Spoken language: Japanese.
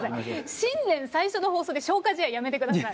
新年最初の放送で消化試合やめてください。